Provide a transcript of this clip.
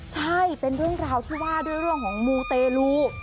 ใช่เป็นเรื่องราวที่ว่าด้วยเรื่องของมูเตลู